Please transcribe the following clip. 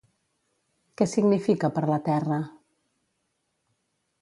Què significa per la terra?